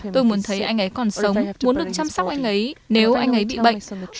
tôi muốn thấy anh ấy còn sống muốn được chăm sóc anh ấy nếu anh ấy bị bệnh